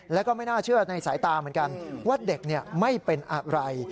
แล้วก็ไม่น่าเชื่อในสายตาเหมือนกันว่าเด็กไม่เป็นอะไร